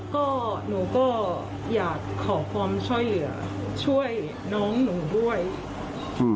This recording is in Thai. ก็หนูก็อยากขอความช่วยเหลือช่วยน้องหนูด้วยอืม